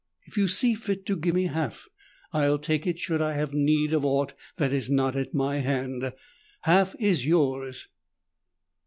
If you see fit to give me half, I'll take it should I have need of aught that is not at my hand. Half is yours."